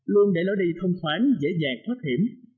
luôn để lỡ đi thông khoán dễ dàng thoát hiểm